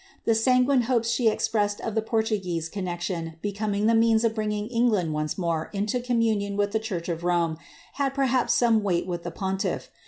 The sanguine hopes she expressed of the Portuguese lexion becoming the means of bringing England once more into imunion with the church of Rome, had perhaps some weight with pontiff.